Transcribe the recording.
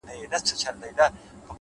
ما ويل څه به ورته گران يمه زه؛